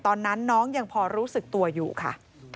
ตอนนั้นน้องยังพอรู้สึกตัวอยู่ค่ะ